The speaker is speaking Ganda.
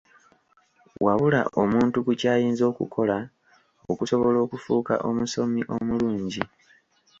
Wabula omuntu ku ky'ayinza okukola okusobola okufuuka omusomi omulungi.